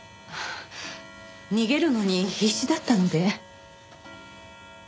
逃げるのに必死だったので。